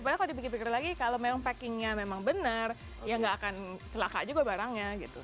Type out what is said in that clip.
padahal kalau dipikir pikir lagi kalau memang packingnya memang benar ya nggak akan celaka juga barangnya gitu